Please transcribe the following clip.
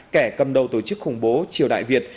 kẻ cầm đầu tổ chức khủng bố triều đại việt